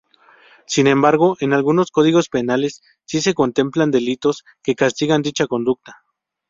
Sin embargo, en algunos códigos penales sí se contemplan delitos que castigan dicha conducta.